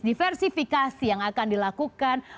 diversifikasi yang akan dilakukan